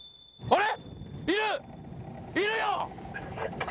あれ？